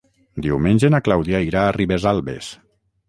Diumenge na Clàudia irà a Ribesalbes.